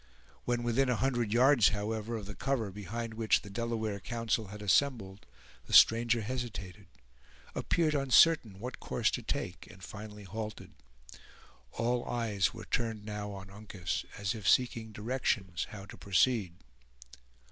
When within a hundred yards, however, of the cover behind which the Delaware council had assembled, the stranger hesitated, appeared uncertain what course to take, and finally halted. All eyes were turned now on Uncas, as if seeking directions how to proceed.